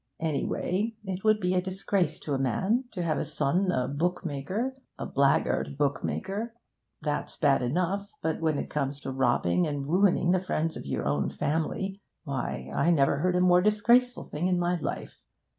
'Anyway, it would be a disgrace to a man to have a son a bookmaker a blackguard bookmaker. That's bad enough. But when it comes to robbing and ruining the friends of your own family why, I never heard a more disgraceful thing in my life.